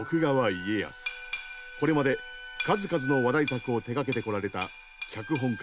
これまで数々の話題作を手がけてこられた脚本家